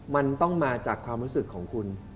มันต้องมาจากความรู้สึกของคุณ